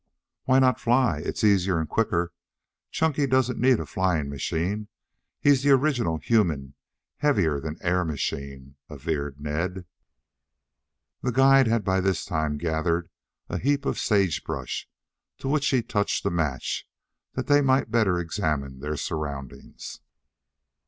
"Why not fly? It's easier and quicker. Chunky doesn't need a flying machine. He's the original human heavier than air machine," averred Ned. The guide had by this time gathered a heap of sage brush, to which he touched a match, that they might the better examine their surroundings.